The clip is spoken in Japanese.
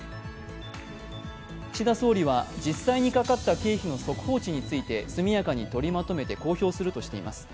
岸田総理は、実際にかかった経費の速報値について速やかに取りまとめて公表するとしています。